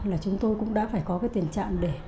là chúng tôi cũng đã phải có cái tiền trạng